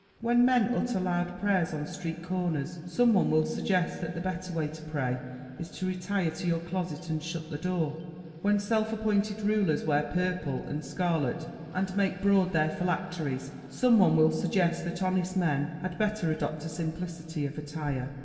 When men utter loud prayers on street corners, some one will suggest that the better way to pray is to retire to your closet and shut the door. When self appointed rulers wear purple and scarlet and make broad their phylacteries, some one will suggest that honest men had better adopt a simplicity of attire.